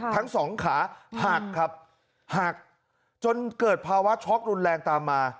ทั้งสองขาหักครับหักจนเกิดภาวะช็อกรุนแรงตามมา